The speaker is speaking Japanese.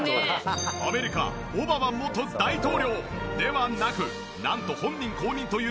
アメリカオバマ元大統領ではなくなんと本人公認というモノマネ